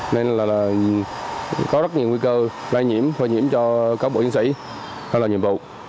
nên là có rất nhiều nguy cơ lai nhiễm phơi nhiễm cho các bộ chiến sĩ hay là nhiệm vụ